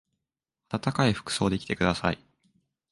あたたかい服装で来てください。